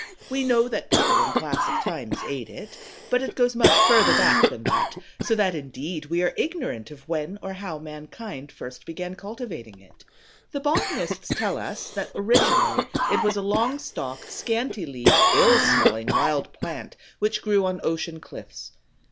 We know that people in classic times ate it, but it goes much further back than that, so that indeed we are ignorant of when or how mankind first began cultivating it. The botanists tell us that originally it was a long stalked, scanty leaved, ill smelling wild plant which grew on ocean cliffs.